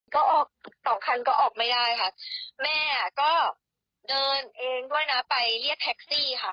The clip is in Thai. ก็ออกสองคันก็ออกไม่ได้ค่ะแม่ก็เดินเองด้วยนะไปเรียกแท็กซี่ค่ะ